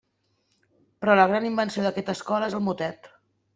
Però la gran invenció d'aquesta escola és el motet.